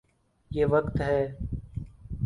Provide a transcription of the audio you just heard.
یہ وقت ہے۔